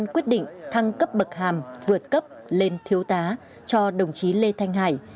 quyết định thăng cấp bậc hàm vượt cấp lên thiếu tá cho đồng chí lê thanh hải